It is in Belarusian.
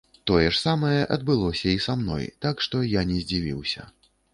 Тое ж самае адбылося і са мной, так што я не здзівіўся.